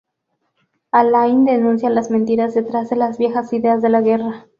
Alain denuncia las mentiras detrás de las viejas ideas de la guerra.